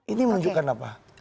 ini menunjukkan apa